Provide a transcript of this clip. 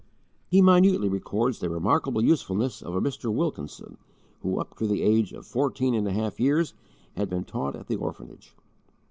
He minutely records the remarkable usefulness of a Mr. Wilkinson, who, up to the age of fourteen and a half years, had been taught at the orphanage.